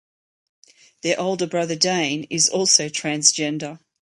Their older brother Dane is also transgender.